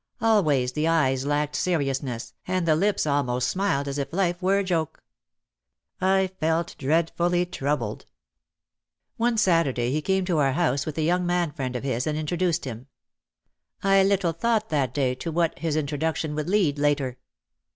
Always the eyes lacked seri ousness and the lips almost smiled as if life were a joke. I felt dreadfully troubled. One Saturday he came to our house with a young man friend of his and introduced him. I little thought that day to what his introduction would lead later.